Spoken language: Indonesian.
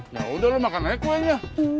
yaudah lo makan aja kue aja